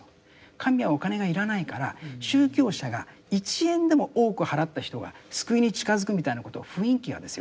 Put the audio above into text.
神はお金が要らないから宗教者が１円でも多く払った人が救いに近づくみたいなこと雰囲気がですよ